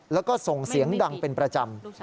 แล้วก็ส่งเสียงดังเป็นประจำ